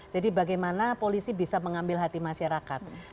jadi bagaimana polisi bisa mengambil hati masyarakat